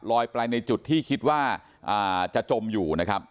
ไปในจุดที่คิดว่าจะจมอยู่นะครับ